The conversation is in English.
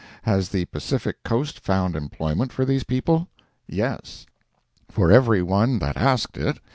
Has the Pacific coast found employment for these people? Yes. For every one that asked it.